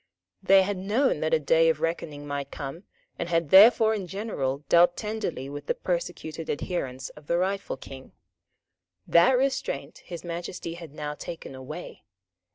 They had known that a day of reckoning might come, and had therefore in general dealt tenderly with the persecuted adherents of the rightful King. That restraint His Majesty had now taken away.